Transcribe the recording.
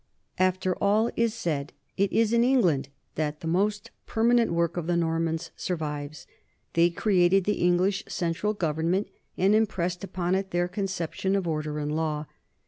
After all is said, it is in England that the most perma nent work of the Normans survives. They created the English central government and impressed upon it their conceptions of order and of law.